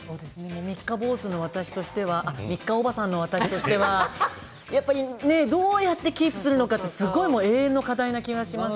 三日坊主の私としては３日おばさんの私としてはどうやってキープするのか永遠の課題な気がします。